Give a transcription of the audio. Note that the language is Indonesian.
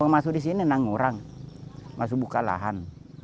masuk di sini enam orang masuk buka lahan